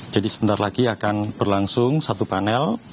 sebentar lagi akan berlangsung satu panel